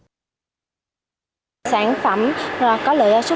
bước đầu sản phẩm đã được người tiêu dùng đón nhận